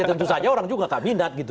ya tentu saja orang juga gak minat